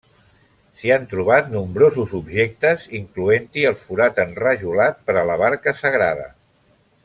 S'hi han trobat nombrosos objectes, incloent-hi el forat enrajolat per a la barca sagrada.